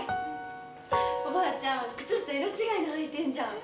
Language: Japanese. おばあちゃん、靴下色違いの履いてんじゃん！